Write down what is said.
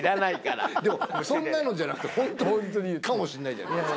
でも「そんなの」じゃなくて本当かもしれないじゃないですか。